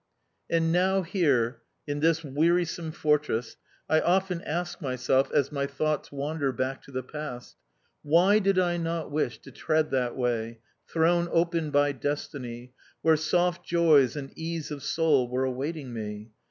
And now, here in this wearisome fortress, I often ask myself, as my thoughts wander back to the past: why did I not wish to tread that way, thrown open by destiny, where soft joys and ease of soul were awaiting me?...